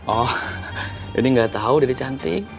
oh ini gak tau jadi cantik